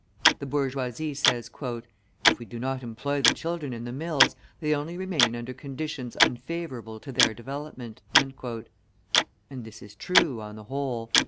The bourgeoisie says: "If we do not employ the children in the mills, they only remain under conditions unfavourable to their development;" and this is true, on the whole.